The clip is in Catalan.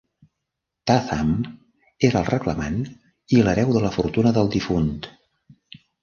Tatham era el reclamant i hereu de la fortuna del difunt.